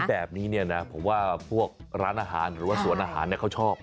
แบบนี้เนี่ยนะผมว่าพวกร้านอาหารหรือว่าสวนอาหารเขาชอบ